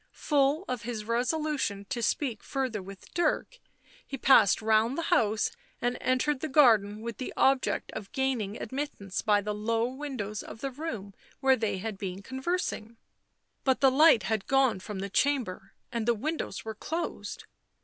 Full of his resolution to speak further with Dirk, he passed round the house and entered the garden with the object of gaining admittance by the low windows of the room where they had been conversing. But the light had gone from the chamber, and the windows were closed.